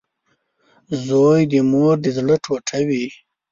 • زوی د مور د زړۀ ټوټه وي.